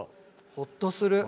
ほっとする。